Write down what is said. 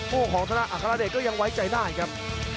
คู่ของธนาอัครเดชก็ยังไว้ใจได้ครับ